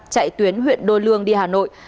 chạy tuyến huyện đôi lương đi hà nội